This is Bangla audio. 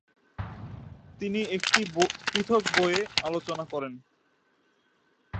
তিনি একটি পৃথক বইয়ে আলোচনা করেন।